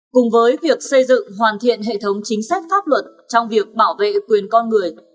cùng với việc xây dựng hoàn thiện hệ thống chính sách pháp luật trong việc bảo vệ quyền con người